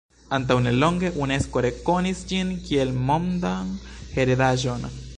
Antaŭ nelonge Unesko rekonis ĝin kiel Mondan Heredaĵon.